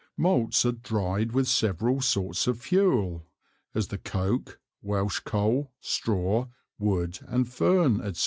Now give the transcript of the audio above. Malts are dryed with several sorts of Fuel; as the Coak, Welch coal, Straw, Wood and Fern, &c.